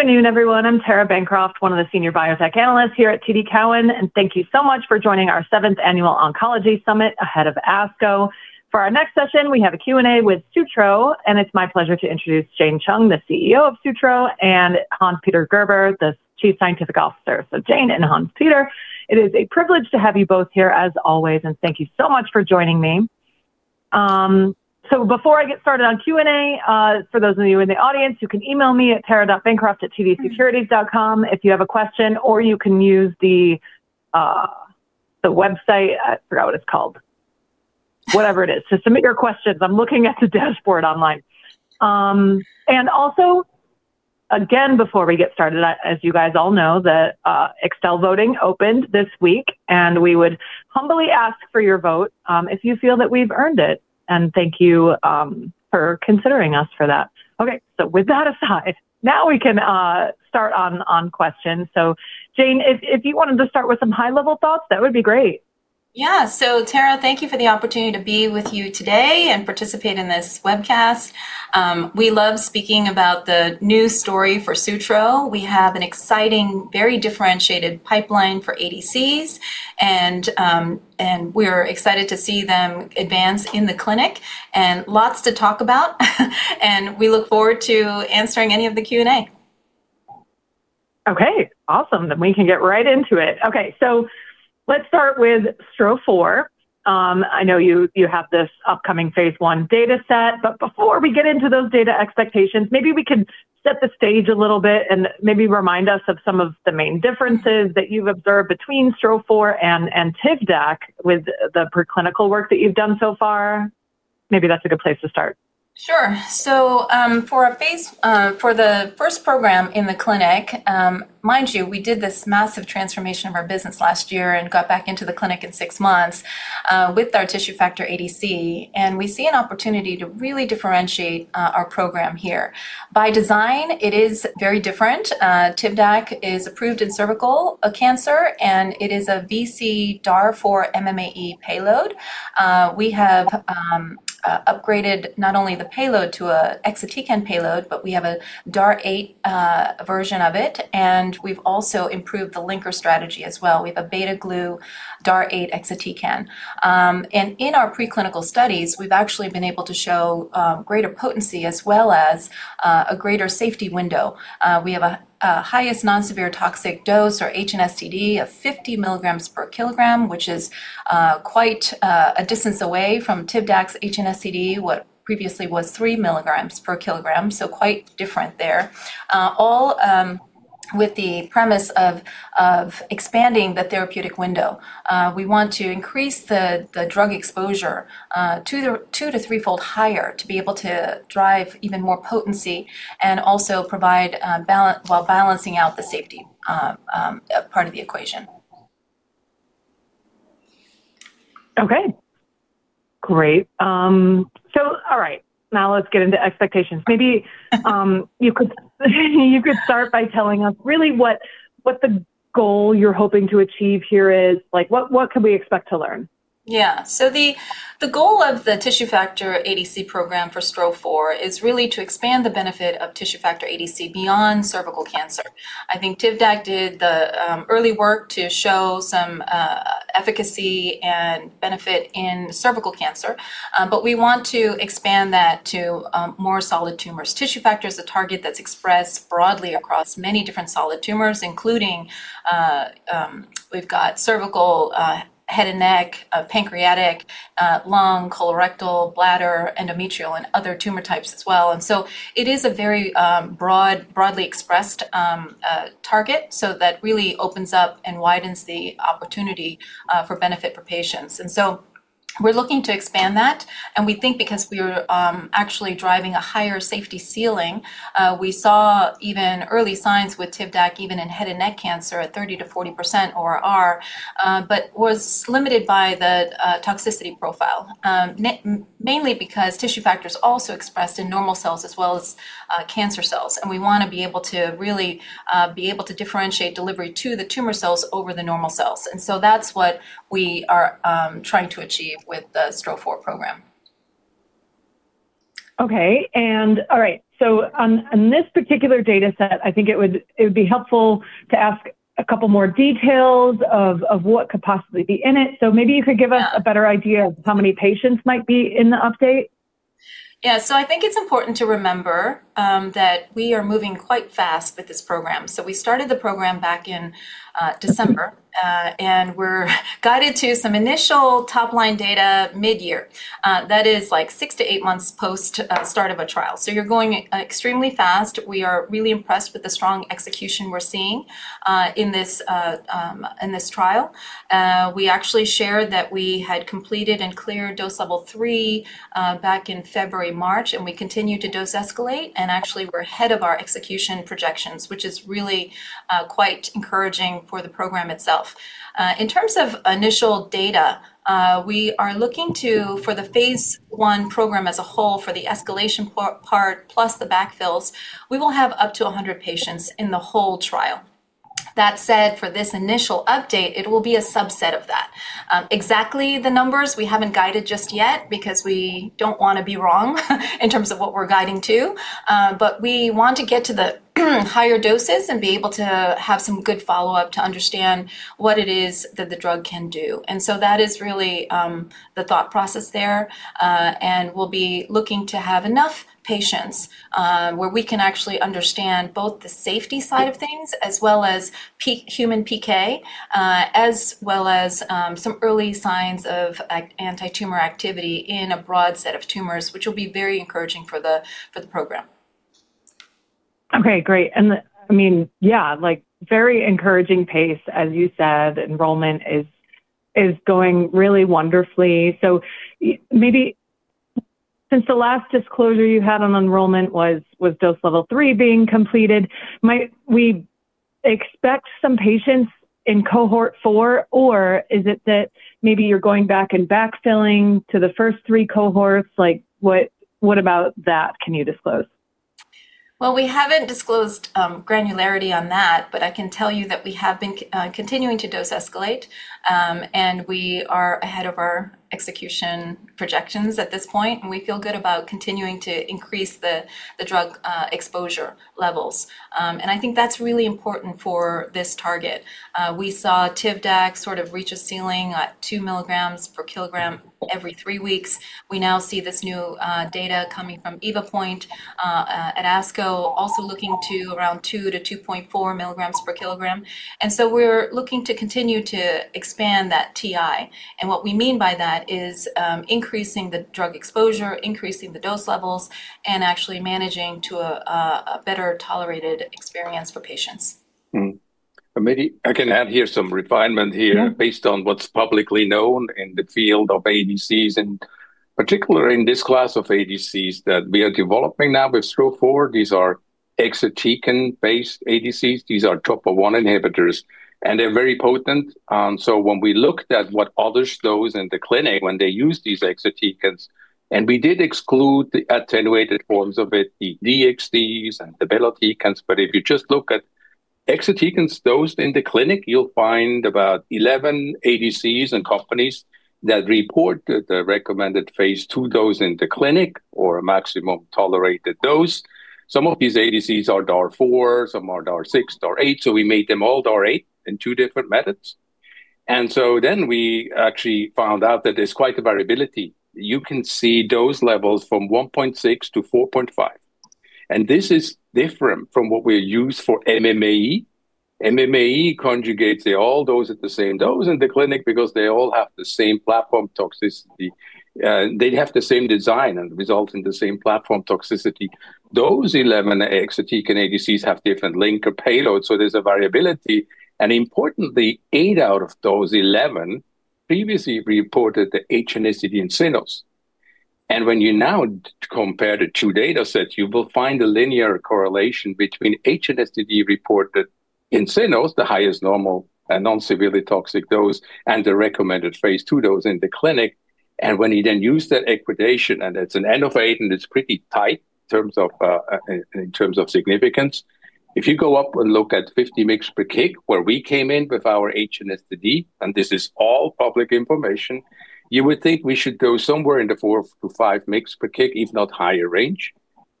Good afternoon, everyone. I'm Tara Bancroft, one of the Senior Biotech Analysts here at TD Cowen, and thank you so much for joining our Seventh Annual Oncology Summit ahead of ASCO. For our next session, we have a Q&A with Sutro, and it's my pleasure to introduce Jane Chung, the CEO of Sutro, and Hans-Peter Gerber, the Chief Scientific Officer. Jane and Hans-Peter, it is a privilege to have you both here as always, and thank you so much for joining me. Before I get started on Q&A, for those of you in the audience, you can email me at tara.bancroft@tdsecurities.com if you have a question, or you can use the website, I forgot what it's called. Whatever it is to submit your questions. I'm looking at the dashboard online. Also, again, before we get started, as you guys all know, the Extel voting opened this week, and we would humbly ask for your vote if you feel that we've earned it. Thank you for considering us for that. Okay, with that aside, now we can start on questions. Jane, if you wanted to start with some high-level thoughts, that would be great. Yeah. Tara, thank you for the opportunity to be with you today and participate in this webcast. We love speaking about the new story for Sutro. We have an exciting, very differentiated pipeline for ADCs. We're excited to see them advance in the clinic and lots to talk about. We look forward to answering any of the Q&A. Okay, awesome. We can get right into it. Okay, let's start with STRO-004. I know you have this upcoming phase I data set, but before we get into those data expectations, maybe we could set the stage a little bit and maybe remind us of some of the main differences that you've observed between STRO-004 and TIVDAK with the preclinical work that you've done so far. Maybe that's a good place to start. Sure. For the first program in the clinic, mind you, we did this massive transformation of our business last year and got back into the clinic in six months, with our tissue factor ADC, we see an opportunity to really differentiate our program here. By design, it is very different. TIVDAK is approved in cervical cancer, and it is a VC DAR4 MMAE payload. We have upgraded not only the payload to an exatecan payload, but we have a of it, and we've also improved the linker strategy as well. We have a beta-glu DAR8 exatecan. In our preclinical studies, we've actually been able to show greater potency as well as a greater safety window. We have a highest non-severe toxic dose or HNSTD of 50 mg/kg, which is quite a distance away from TIVDAK's HNSTD, what previously was 3 mg/kg, so quite different there. All with the premise of expanding the therapeutic window. We want to increase the drug exposure two to threefold higher to be able to drive even more potency and also provide while balancing out the safety part of the equation. Okay. Great. All right, now let's get into expectations. Maybe you could start by telling us really what the goal you're hoping to achieve here is. What could we expect to learn? Yeah. The goal of the tissue factor ADC program for STRO-004 is really to expand the benefit of tissue factor ADC beyond cervical cancer. I think TIVDAK did the early work to show some efficacy and benefit in cervical cancer, we want to expand that to more solid tumors. Tissue factor is a target that's expressed broadly across many different solid tumors, including, we've got cervical, head and neck, pancreatic, lung, colorectal, bladder, endometrial, and other tumor types as well. It is a very broadly expressed target. That really opens up and widens the opportunity for benefit for patients. We're looking to expand that, and we think because we're actually driving a higher safety ceiling, we saw even early signs with TIVDAK even in head and neck cancer at 30% to 40% ORR, but was limited by the toxicity profile, mainly because tissue factor is also expressed in normal cells as well as cancer cells, and we want to be able to really be able to differentiate delivery to the tumor cells over the normal cells. That's what we are trying to achieve with the STRO-004 program. Okay. All right. On this particular data set, I think it would be helpful to ask a couple more details of what could possibly be in it. Maybe you could give us a better idea of how many patients might be in the update. Yeah, I think it's important to remember that we are moving quite fast with this program. We started the program back in December, and we're guided to some initial top-line data mid-year. That is six to eight months post start of a trial. You're going extremely fast. We are really impressed with the strong execution we're seeing in this trial. We actually shared that we had completed and cleared Dose Level 3 back in February-March, and we continue to dose escalate, and actually we're ahead of our execution projections, which is really quite encouraging for the program itself. In terms of initial data, we are looking to, for the phase I program as a whole, for the escalation part plus the backfills, we will have up to 100 patients in the whole trial. That said, for this initial update, it will be a subset of that. Exactly the numbers we haven't guided just yet, because we don't want to be wrong in terms of what we're guiding to. We want to get to the higher doses and be able to have some good follow-up to understand what it is that the drug can do. That is really the thought process there. We'll be looking to have enough patients where we can actually understand both the safety side of things as well as Human PK, as well as some early signs of anti-tumor activity in a broad set of tumors, which will be very encouraging for the program. Yeah, very encouraging pace, as you said, enrollment is going really wonderfully. Maybe since the last disclosure you had on enrollment was Dose Level 3 being completed, might we expect some patients in Cohort 4, or is it that maybe you're going back and backfilling to the first three cohorts? What about that can you disclose? Well, we haven't disclosed granularity on that, but I can tell you that we have been continuing to dose escalate. We are ahead of our execution projections at this point, and we feel good about continuing to increase the drug exposure levels. I think that's really important for this target. We saw TIVDAK sort of reach a ceiling at 2 mg/kg every three weeks. We now see this new data coming from Evopoint at ASCO, also looking to around 2-2.4 mg/kg. We're looking to continue to expand that TI. What we mean by that is increasing the drug exposure, increasing the dose levels, and actually managing to a better-tolerated experience for patients. Maybe I can add here some refinement here based on what's publicly known in the field of ADCs, and particularly in this class of ADCs that we are developing now with STRO-004. These are exatecan-based ADCs. These are Topo 1 inhibitors, and they're very potent. When we looked at what others dose in the clinic when they use these exatecans, and we did exclude the attenuated forms of it, the DXd and the belotecan, but if you just look at exatecans dosed in the clinic, you'll find about 11 ADCs and companies that report that the recommended phase II dose in the clinic or a maximum tolerated dose. Some of these ADCs are DAR 4, some are DAR 6, DAR 8, so we made them all DAR 8 in two different methods. Then we actually found out that there's quite a variability. You can see dose levels from 1.6-4.5 mg/kg. This is different from what we use for MMAE. MMAE conjugates, they all dose at the same dose in the clinic because they all have the same platform toxicity. They have the same design and result in the same platform toxicity. Those 11 exatecan ADCs have different linker payloads. There's a variability. Importantly, eight out of those 11 previously reported the HNSTD in cynos. When you now compare the two data sets, you will find a linear correlation between HNSTD reported in cynos, the highest normal and non-severely toxic dose, and the recommended phase II dose in the clinic. When you then use that equation, it's an n of 8 and it's pretty tight in terms of significance, if you go up and look at 50 mg/kg, where we came in with our HNSTD, this is all public information, you would think we should go somewhere in the 4 to 5 mg/kg, if not higher range,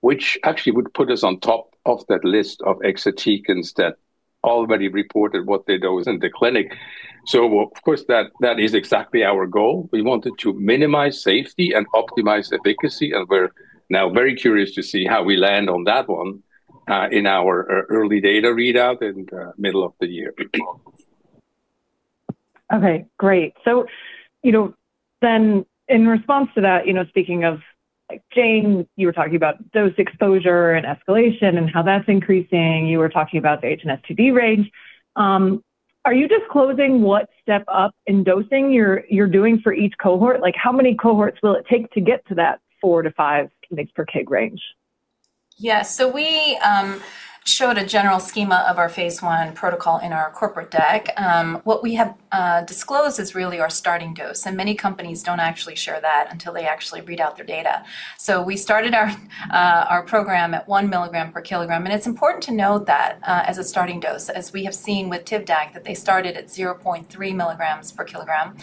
which actually would put us on top of that list of exatecans that already reported what they dose in the clinic. Of course, that is exactly our goal. We wanted to minimize safety and optimize efficacy, we're now very curious to see how we land on that one in our early data readout in the middle of the year. Okay, great. In response to that, speaking of Jane, you were talking about dose exposure and escalation and how that's increasing. You were talking about the HNSTD range. Are you disclosing what step up in dosing you're doing for each cohort? How many cohorts will it take to get to that 4 to 5 mg/kg range? Yes. We showed a general schema of our phase I protocol in our corporate deck. What we have disclosed is really our starting dose, and many companies don't actually share that until they actually read out their data. We started our program at 1 mg/kg, and it's important to note that as a starting dose, as we have seen with TIVDAK, that they started at 0.3 mg/kg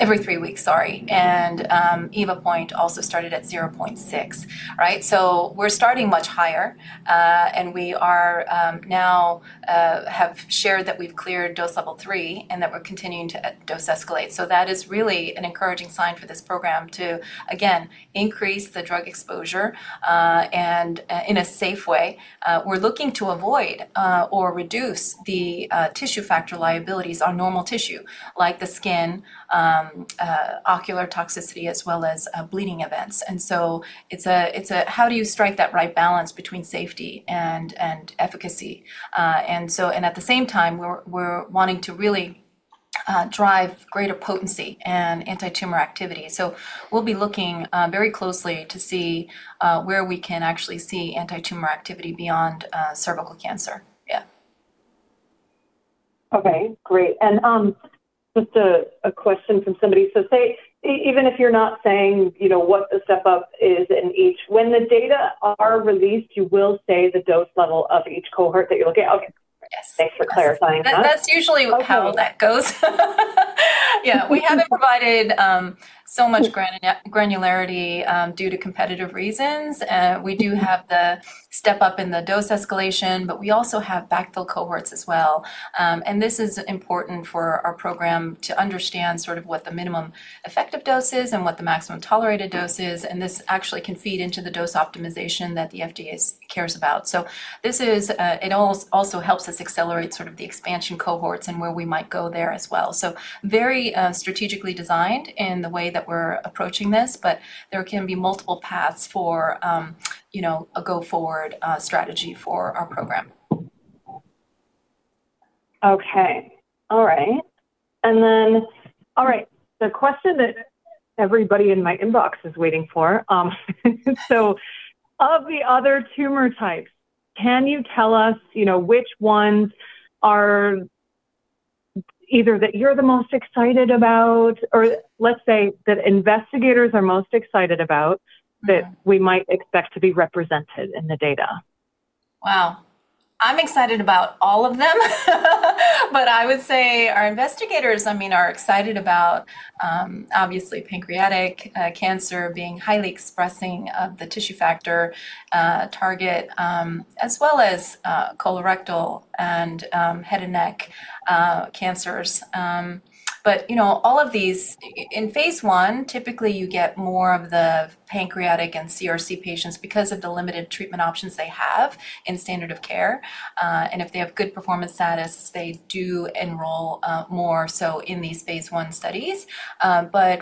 every three weeks, and Evopoint also started at 0.6 mg/kg. We're starting much higher, and we now have shared that we've cleared Dose Level 3 and that we're continuing to dose escalate. That is really an encouraging sign for this program to, again, increase the drug exposure in a safe way. We're looking to avoid or reduce the tissue factor liabilities on normal tissue like the skin, ocular toxicity, as well as bleeding events. It's a how do you strike that right balance between safety and efficacy? At the same time, we're wanting to really drive greater potency and anti-tumor activity. We'll be looking very closely to see where we can actually see anti-tumor activity beyond cervical cancer. Yeah. Okay, great. Just a question from somebody. Say, even if you're not saying, what the step-up is in each, when the data are released, you will say the dose level of each cohort that you're looking at? Okay. Yes. Thanks for clarifying that. That's usually how that goes. Yeah, we haven't provided so much granularity due to competitive reasons. We do have the step-up in the dose escalation, but we also have backfill cohorts as well. This is important for our program to understand sort of what the minimum effective dose is and what the maximum tolerated dose is, and this actually can feed into the dose optimization that the FDA cares about. It also helps us accelerate sort of the expansion cohorts and where we might go there as well. Very strategically designed in the way that we're approaching this, but there can be multiple paths for, a go-forward strategy for our program. Okay. All right. The question that everybody in my inbox is waiting for, of the other tumor types, can you tell us which ones are either that you're the most excited about or let's say that investigators are most excited about that we might expect to be represented in the data? Wow. I'm excited about all of them, but I would say our investigators are excited about, obviously pancreatic cancer being highly expressing of the tissue factor target, as well as colorectal and head and neck cancers. All of these, in phase I, typically you get more of the pancreatic and CRC patients because of the limited treatment options they have in standard of care. If they have good performance status, they do enroll more so in these phase I studies.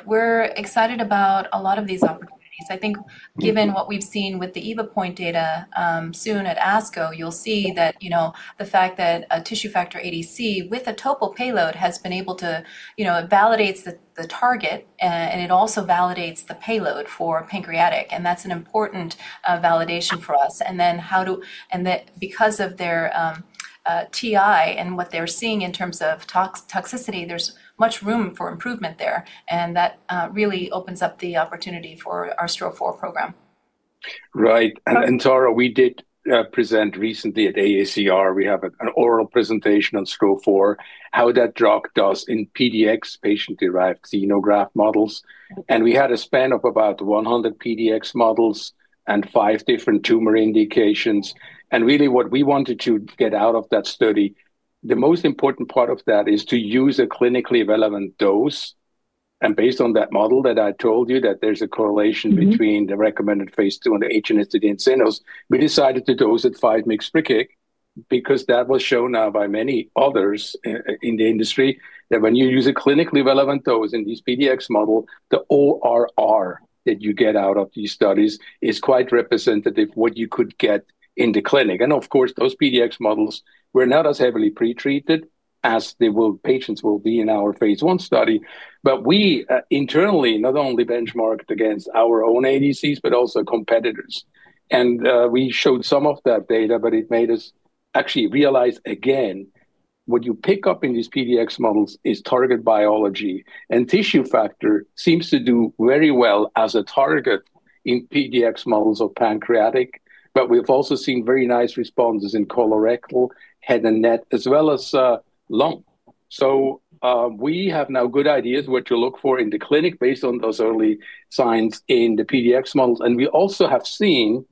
We're excited about a lot of these opportunities. I think given what we've seen with the Evopoint data, soon at ASCO, you'll see that, the fact that a tissue factor ADC with a Topo payload has been able to, it validates the target. It also validates the payload for pancreatic. That's an important validation for us. Because of their TI and what they're seeing in terms of toxicity, there's much room for improvement there, and that really opens up the opportunity for our STRO-004 program. Right. Tara, we did present recently at AACR. We have an oral presentation on STRO-004, how that drug does in PDX, patient-derived xenograft models. We had a span of about 100 PDX models and five different tumor indications. Really what we wanted to get out of that study, the most important part of that is to use a clinically relevant dose. Based on that model that I told you, that there's a correlation between the recommended phase II and the HNSTD in cynos, we decided to dose at 5 mg/kg because that was shown now by many others in the industry that when you use a clinically relevant dose in this PDX model, the ORR that you get out of these studies is quite representative what you could get in the clinic. Of course, those PDX models were not as heavily pretreated as the patients will be in our phase I study. We internally not only benchmarked against our own ADCs, but also competitors. We showed some of that data, but it made us actually realize again, what you pick up in these PDX models is target biology. Tissue factor seems to do very well as a target in PDX models of pancreatic, but we've also seen very nice responses in colorectal, head and neck, as well as lung. We have now good ideas what to look for in the clinic based on those early signs in the PDX models. We also have seen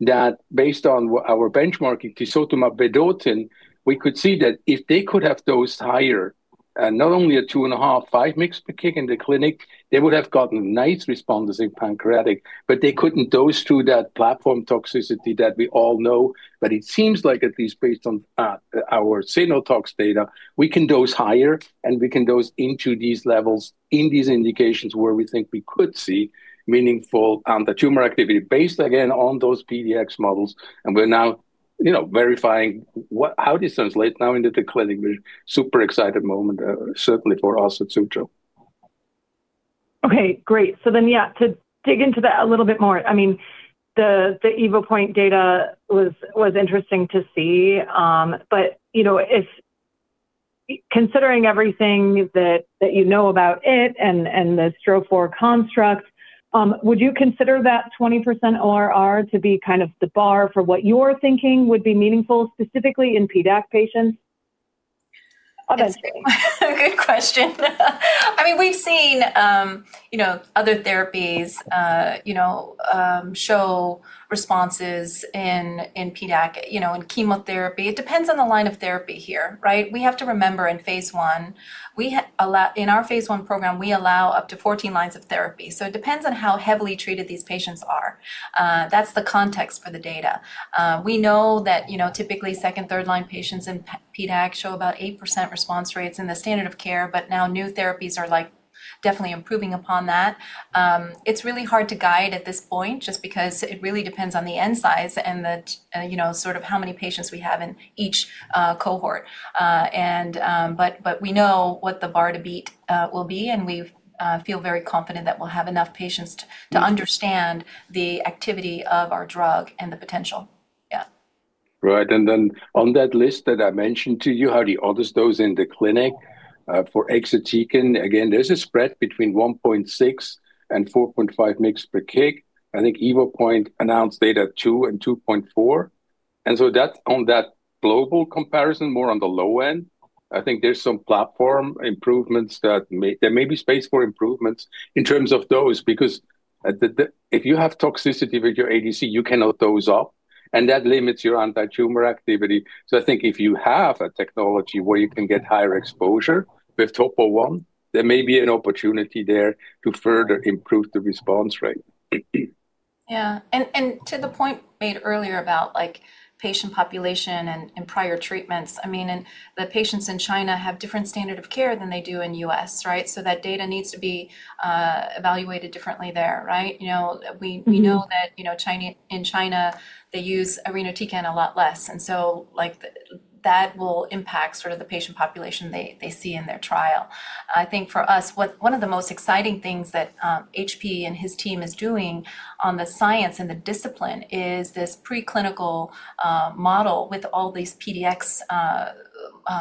that based on our benchmarking tisotumab vedotin, we could see that if they could have dosed higher at not only at 2.5 mg/kg in the clinic, they would have gotten nice responses in pancreatic, but they couldn't dose through that platform toxicity that we all know. It seems like at least based on our cyno tox data, we can dose higher, and we can dose into these levels in these indications where we think we could see meaningful antitumor activity based, again, on those PDX models. We're now verifying how this translates now into the clinic. We're super excited moment, certainly for us at Sutro. Okay, great. Yeah, to dig into that a little bit more, the Evopoint data was interesting to see. Considering everything that you know about it and the STRO-004 construct, would you consider that 20% ORR to be kind of the bar for what you're thinking would be meaningful, specifically in PDAC patients? Good question. We've seen other therapies show responses in PDAC, in chemotherapy. It depends on the line of therapy here, right? We have to remember in our phase I program, we allow up to 14 lines of therapy. It depends on how heavily treated these patients are. That's the context for the data. We know that typically second-, third-line patients in PDAC show about 8% response rates in the standard of care, but now new therapies are definitely improving upon that. It's really hard to guide at this point just because it really depends on the end size and sort of how many patients we have in each cohort. We know what the bar to beat will be, and we feel very confident that we'll have enough patients to understand the activity of our drug and the potential. Yeah. Right. On that list that I mentioned to you, how they dose those in the clinic, for exatecan, again, there's a spread between 1.6 mg/kg and 4.5 mg/kg. I think Evopoint announced data 2 mg/kg and 2.4mg/kg, that's on that global comparison, more on the low end. I think there's some platform improvements that there may be space for improvements in terms of those, because if you have toxicity with your ADC, you cannot dose up, and that limits your anti-tumor activity. I think if you have a technology where you can get higher exposure with Topo 1, there may be an opportunity there to further improve the response rate. To the point made earlier about patient population and prior treatments, the patients in China have different standard of care than they do in U.S. That data needs to be evaluated differently there, right? We know that in China, they use irinotecan a lot less, and so that will impact sort of the patient population they see in their trial. I think for us, one of the most exciting things that HP and his team is doing on the science and the discipline is this preclinical model with all these PDX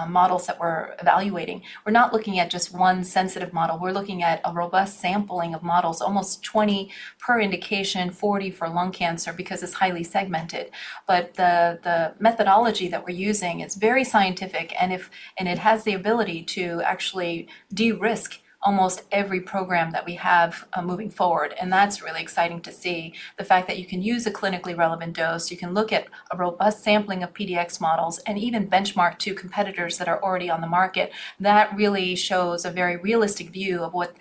models that we're evaluating. We're not looking at just one sensitive model. We're looking at a robust sampling of models, almost 20 per indication, 40 for lung cancer, because it's highly segmented. The methodology that we're using, it's very scientific, and it has the ability to actually de-risk almost every program that we have moving forward. That's really exciting to see the fact that you can use a clinically relevant dose, you can look at a robust sampling of PDX models, and even benchmark to competitors that are already on the market. That really shows a very realistic view of what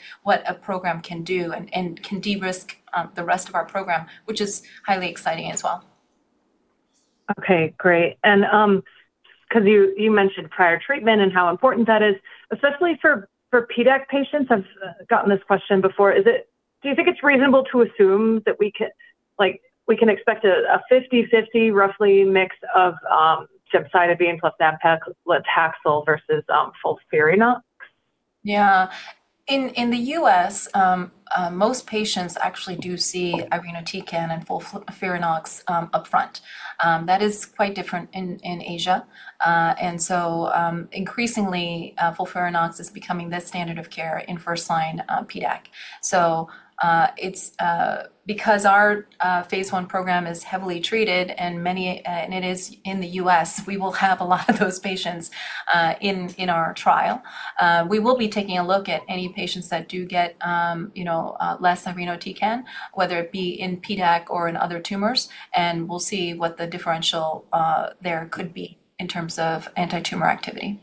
a program can do and can de-risk the rest of our program, which is highly exciting as well. Okay, great. Because you mentioned prior treatment and how important that is, especially for PDAC patients, I've gotten this question before. Do you think it's reasonable to assume that we can expect a 50/50 roughly mix of gemcitabine plus nab-paclitaxel versus FOLFIRINOX? Yeah. In the U.S., most patients actually do see irinotecan and FOLFIRINOX up front. That is quite different in Asia. Increasingly, FOLFIRINOX is becoming the standard of care in first-line PDAC. It's because our phase I program is heavily treated, and it is in the U.S., we will have a lot of those patients in our trial. We will be taking a look at any patients that do get less irinotecan, whether it be in PDAC or in other tumors, and we'll see what the differential there could be in terms of anti-tumor activity.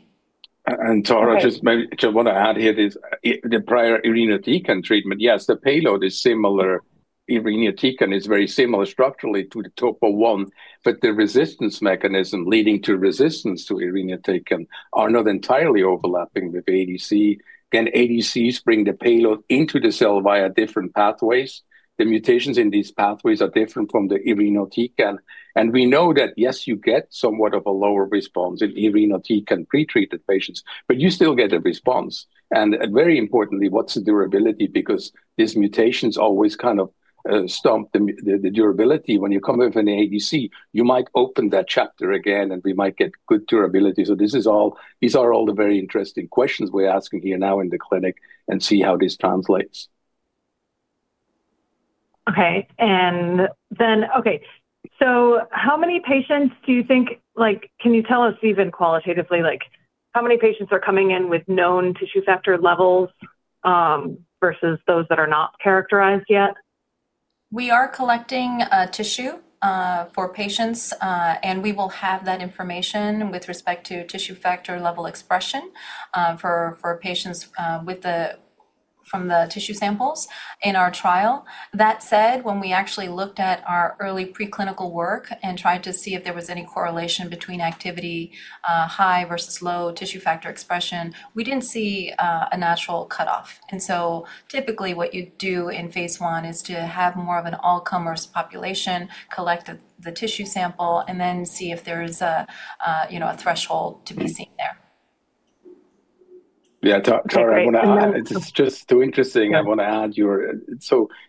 Tara, just maybe what I'd add here is the prior irinotecan treatment, yes, the payload is similar. Irinotecan is very similar structurally to the Topo 1, but the resistance mechanism leading to resistance to irinotecan are not entirely overlapping with ADC. Can ADCs bring the payload into the cell via different pathways? The mutations in these pathways are different from the irinotecan. We know that, yes, you get somewhat of a lower response in irinotecan pre-treated patients, but you still get a response. Very importantly, what's the durability? Because these mutations always kind of stump the durability. When you come in with an ADC, you might open that chapter again, and we might get good durability. These are all the very interesting questions we're asking here now in the clinic and see how this translates. Okay. Can you tell us even qualitatively, how many patients are coming in with known tissue factor levels, versus those that are not characterized yet? We are collecting tissue for patients, and we will have that information with respect to tissue factor level expression for patients from the tissue samples in our trial. That said, when we actually looked at our early preclinical work and tried to see if there was any correlation between activity, high versus low tissue factor expression, we didn't see a natural cutoff. Typically, what you do in phase I is to have more of an all-comers population, collect the tissue sample, and then see if there's a threshold to be seen there. Yeah, Tara, I want to add, it's just too interesting. I want to add,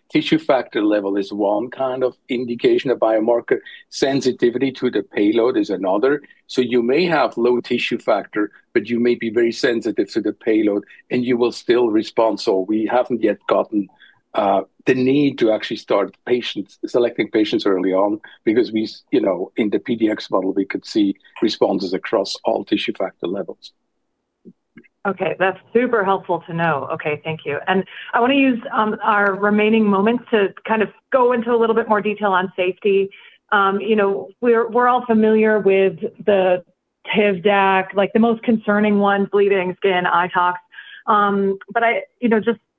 tissue factor level is one kind of indication of biomarker. Sensitivity to the payload is another. You may have low tissue factor, but you may be very sensitive to the payload, and you will still respond. We haven't yet gotten the need to actually start selecting patients early on, because in the PDX model, we could see responses across all tissue factor levels. Okay. That's super helpful to know. Okay, thank you. I want to use our remaining moments to kind of go into a little bit more detail on safety. We're all familiar with the TIVDAK, like the most concerning ones, bleeding, skin, eye tox.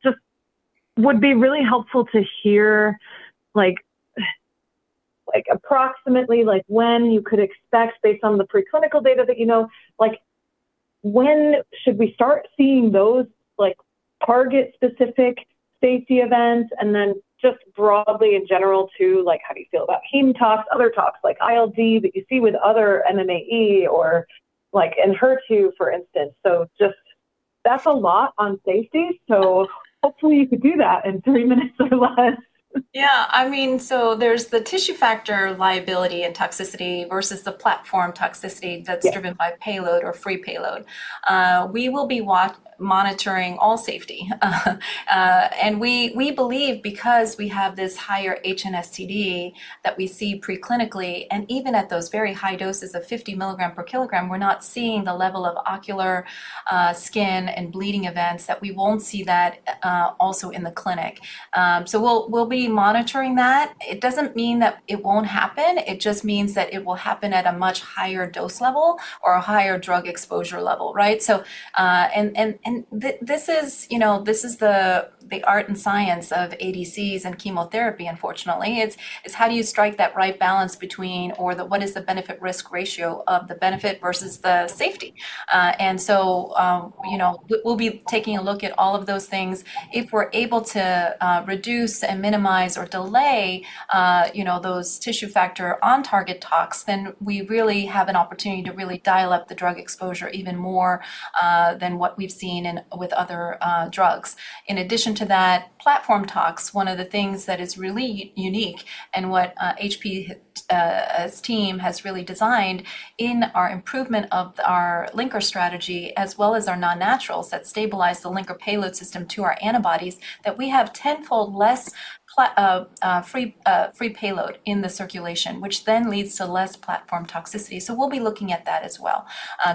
Just would be really helpful to hear approximately when you could expect, based on the preclinical data that you know, when should we start seeing those target-specific safety events? Just broadly in general, too, how do you feel about hem tox, other tox, like ILD that you see with other MMAE, or like in HER2, for instance? Just that's a lot on safety, so hopefully you could do that in three minutes or less. Yeah. There's the tissue factor liability and toxicity versus the platform toxicity that's driven by payload or free payload. We will be monitoring all safety. We believe because we have this higher HNSTD that we see pre-clinically, and even at those very high doses of 50 mg/kg, we're not seeing the level of ocular, skin, and bleeding events, that we won't see that also in the clinic. We'll be monitoring that. It doesn't mean that it won't happen, it just means that it will happen at a much higher dose level or a higher drug exposure level, right? This is the art and science of ADCs and chemotherapy, unfortunately. It's how do you strike that right balance between, or what is the benefit risk ratio of the benefit versus the safety? We'll be taking a look at all of those things. If we're able to reduce and minimize or delay those tissue factor on target tox, we really have an opportunity to really dial up the drug exposure even more than what we've seen in with other drugs. In addition to that, platform tox, one of the things that is really unique and what HP's team has really designed in our improvement of our linker strategy as well as our non-naturals that stabilize the linker payload system to our antibodies, that we have tenfold less free payload in the circulation, which leads to less platform toxicity. We'll be looking at that as well,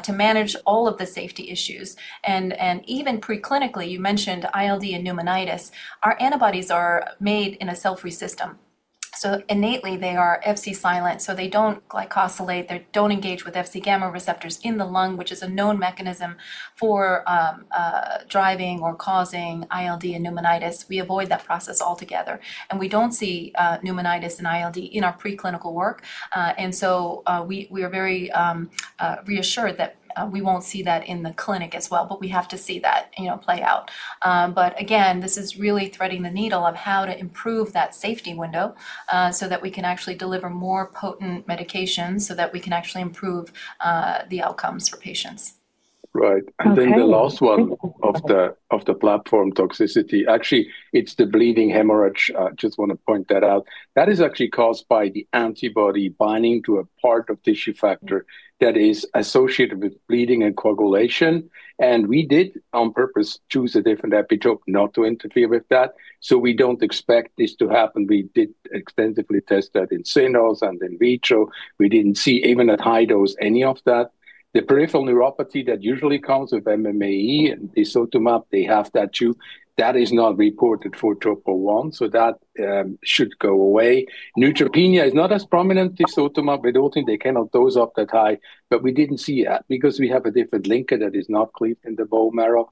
to manage all of the safety issues. Even pre-clinically, you mentioned ILD and pneumonitis, our antibodies are made in a cell-free system. Innately, they are Fc-silenced, so they don't glycosylate, they don't engage with Fc gamma receptors in the lung, which is a known mechanism for driving or causing ILD and pneumonitis. We avoid that process altogether. We don't see pneumonitis and ILD in our preclinical work. We are very reassured that we won't see that in the clinic as well, but we have to see that play out. Again, this is really threading the needle of how to improve that safety window, so that we can actually deliver more potent medications so that we can actually improve the outcomes for patients. Right. Okay. The last one of the platform toxicity, actually, it's the bleeding hemorrhage. I just want to point that out. That is actually caused by the antibody binding to a part of tissue factor that is associated with bleeding and coagulation, and we did on purpose choose a different epitope not to interfere with that. We don't expect this to happen. We did extensively test that in cynos and in vitro. We didn't see, even at high dose, any of that. The peripheral neuropathy that usually comes with MMAE and tisotumab, they have that too. That is not reported for Topo 1, that should go away. Neutropenia is not as prominent in tisotumab. We don't think they cannot dose up that high, but we didn't see that because we have a different linker that is not cleaved in the bone marrow.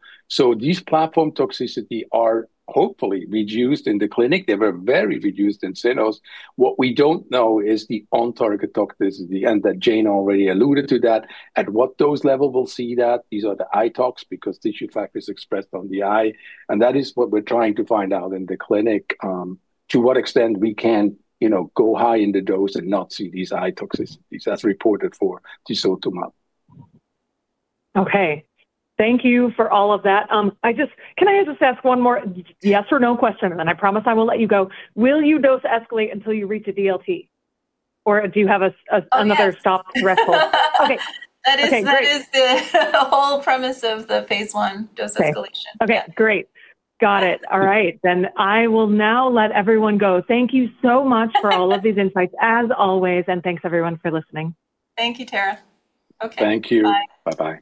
These platform toxicities are hopefully reduced in the clinic. They were very reduced in cynos. What we don't know is the on-target toxicity. That Jane already alluded to that. At what dose level we'll see that, these are the eye tox because tissue factor is expressed on the eye. That is what we're trying to find out in the clinic, to what extent we can go high in the dose and not see these eye toxicities as reported for tisotumab. Okay. Thank you for all of that. Can I just ask one more yes or no question, and then I promise I will let you go. Will you dose escalate until you reach a DLT, or do you have another Oh, yes. stop threshold? Okay. That is- Okay, great. that is the whole premise of the phase I dose escalation. Okay. Okay, great. Got it. All right. I will now let everyone go. Thank you so much for all of these insights, as always, and thanks everyone for listening. Thank you, Tara. Okay. Thank you. Bye-bye.